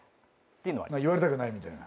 言われたくないみたいな？